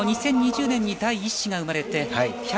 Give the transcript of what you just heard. ２０２０年に第１子が生まれて１００％